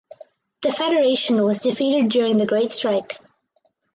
The Federation was defeated during the Great Strike.